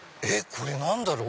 これ何だろう？